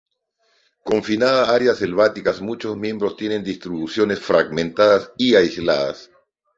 Confinada a áreas selváticas, muchos miembros tienen distribuciones fragmentadas y aisladas.